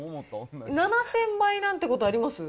７０００倍なんてことあります？